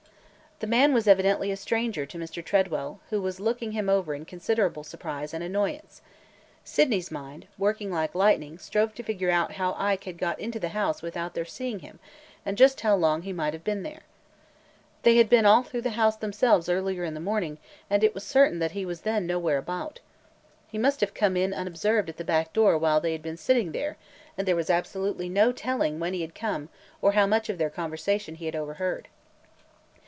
The man was evidently a stranger to Mr. Tredwell, who was looking him over in considerable surprise and annoyance. Sydney's mind, working like lightning, strove to figure out how Ike had got into the house without their seeing him and just how long he might have been there. They had been all through the house themselves earlier in the morning, and it was certain that he was then nowhere about. He must have come in unobserved at the back door while they had been sitting there, and there was absolutely no telling when he had come or how much of their conversation he had overheard.